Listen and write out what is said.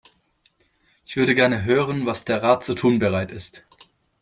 Ich würde gerne hören, was der Rat zu tun bereit ist.